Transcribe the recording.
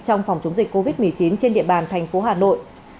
trong phòng chống dịch covid một mươi chín trên địa bàn thành phố hà nội